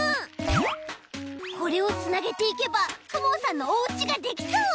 これをつなげていけばくもさんのおうちができそう！